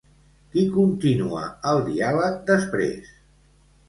Qui continua el diàleg després?